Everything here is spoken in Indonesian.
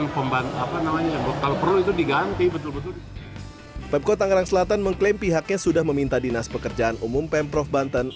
pemkot tangerang selatan mengklaim pihaknya sudah meminta dinas pekerjaan umum pemprov banten